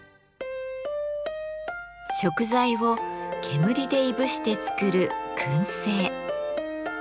食材を煙でいぶして作る「燻製」。